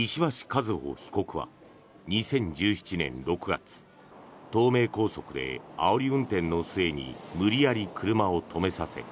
和歩被告は２０１７年６月東名高速であおり運転の末に無理やり車を止めさせ